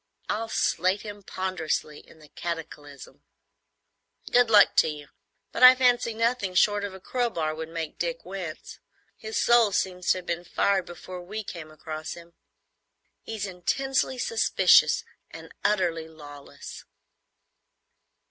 I'll slate him ponderously in the Cataclysm." "Good luck to you; but I fancy nothing short of a crowbar would make Dick wince. His soul seems to have been fired before we came across him. He's intensely suspicious and utterly lawless."